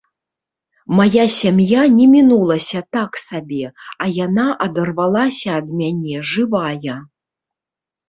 Мая сям'я не мінулася так сабе, а яна адарвалася ад мяне жывая.